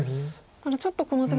ただちょっとこの手も。